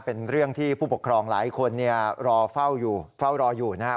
เป็นเรื่องที่ผู้ปกครองหลายคนเนี่ยรอเฝ้าอยู่เฝ้ารออยู่นะครับ